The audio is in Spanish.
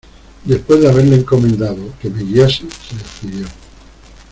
después de haberle encomendado que me guiase, se despidió.